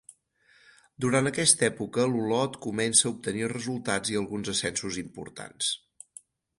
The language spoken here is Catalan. Durant aquesta època l'Olot comença a obtenir resultats i alguns ascensos importants.